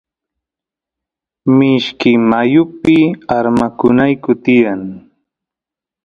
mishki mayupi armakunayku tiyan